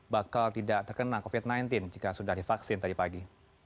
bakal tidak terkena covid sembilan belas jika sudah divaksin tadi pagi